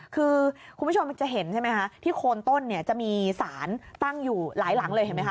คุณผู้ชมจะเห็นใช่ไหมคะที่โคนต้นจะมีศาลตั้งอยู่หลายหลังเลย